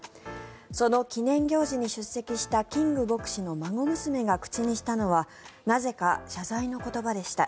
その記念行事に出席したキング牧師の孫娘が口にしたのはなぜか謝罪の言葉でした。